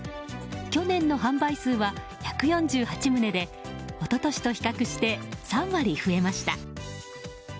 去年の販売数は、１４８棟で一昨年と比較して３割増えました。